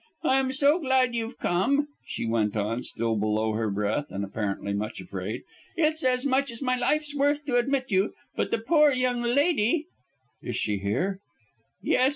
"I am so glad you've come," she went on, still below her breath, and apparently much afraid. "It's as much as my life's worth to admit you. But the poor young lady " "Is she here?" "Yes.